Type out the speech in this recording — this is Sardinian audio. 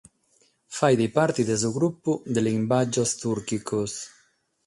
Faghet parte de su grupu de limbàgios tùrchicos.